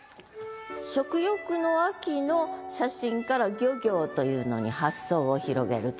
「食欲の秋」の写真から漁業というのに発想を広げると。